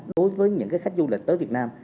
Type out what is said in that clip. đối với những khách du lịch tới việt nam